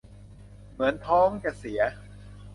เหมือนท้องจะเสีย